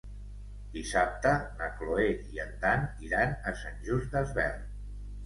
Dissabte na Cloè i en Dan iran a Sant Just Desvern.